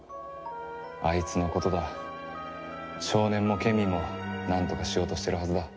あいつのことだ少年もケミーもなんとかしようとしてるはずだ。